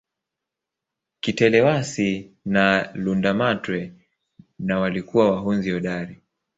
Kitelewasi na Lundamatwe na walikuwa wahunzi hodari